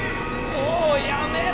もうやめろ！